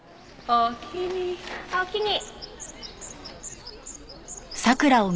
おおきに。